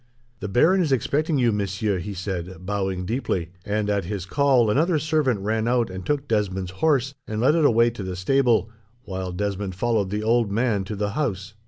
"The baron is expecting you, monsieur," he said, bowing deeply; and, at his call, another servant ran out and took Desmond's horse, and led it away to the stable, while Desmond followed the old man to the house.